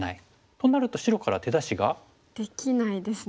となると白から手出しが？できないですね。